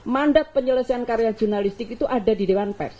mandat penyelesaian karya jurnalistik itu ada di dewan pers